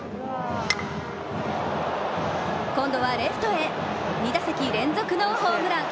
今度はレフトへ２打席連続のホームラン。